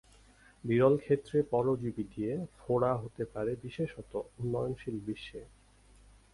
বিরল ক্ষেত্রে পরজীবী দিয়ে ফোড়া হতে পারে বিশেষত উন্নয়নশীল বিশ্বে।